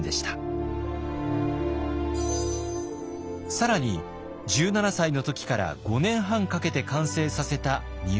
更に１７歳の時から５年半かけて完成させた日本地図。